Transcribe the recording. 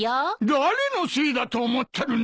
誰のせいだと思ってるんだ！